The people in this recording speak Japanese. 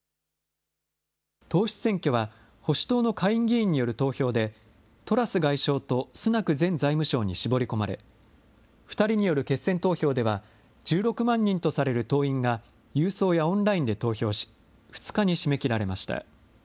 党首選挙は、保守党の下院議員による投票で、トラス外相とスナク前財務相に絞り込まれ、２人による決選投票では、１６万人とされる党員が郵送やオンラインで投票し、２日に締め切られました。